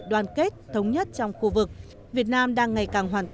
lần đầu tiên cảm ơn quý vị rất nhiều đã gặp tôi hôm nay